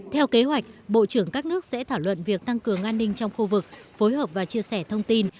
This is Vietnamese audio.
theo kế hoạch bộ trưởng các nước sẽ thảo luận việc tăng cường an ninh trong khu vực phối hợp và chia sẻ thông tin